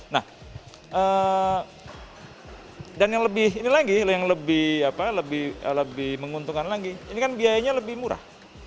nah dan yang lebih ini lagi yang lebih menguntungkan lagi ini kan biayanya lebih murah